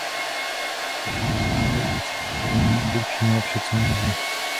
Vyzýváme ji samozřejmě, aby učinila vše, co může.